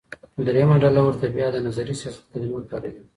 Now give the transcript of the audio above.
درېيمه ډله ورته بيا د نظري سياست کليمه کاروي.